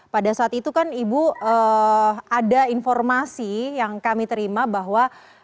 pada saat itu kan ibu ada informasi yang kami terima bahwa